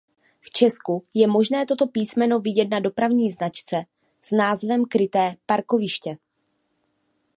V Česku je možné toto písmeno vidět na dopravní značce s názvem Kryté parkoviště.